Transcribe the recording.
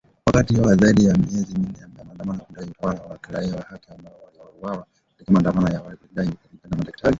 Wakati wa zaidi ya miezi minne ya maandamano ya kudai utawala wa kiraia na haki kwa wale waliouawa katika maandamano ya awali kulingana na madaktari